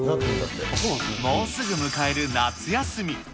もうすぐ迎える夏休み。